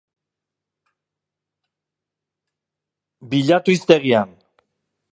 Bilatu hiztegian.